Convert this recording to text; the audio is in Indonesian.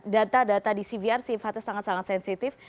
data data di cvr sifatnya sangat sangat sensitif